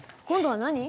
今度は何？